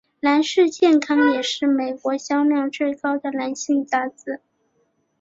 男士健康也是美国销量最高的男性杂志。